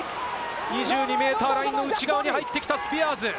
２２ｍラインの内側に入ってきたスピアーズ。